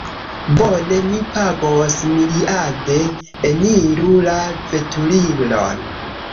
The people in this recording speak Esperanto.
Bone, mi pagos miriade. Eniru la veturilon